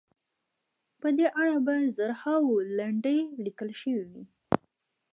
په دې اړه به زرهاوو لنډۍ لیکل شوې وي.